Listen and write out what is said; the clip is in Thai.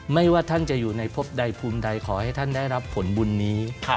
ไม่ว่าท่านจะอยู่ในพบใดภูมิใดขอให้ท่านได้รับผลบุญนี้